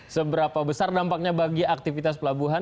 seberapa besar dampaknya bagi aktivitas pelabuhan